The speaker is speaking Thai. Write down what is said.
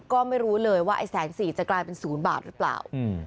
ก็ไม่รู้เลยว่าไอ้แสนสี่จะกลายเป็น๐บาทหรือเปล่า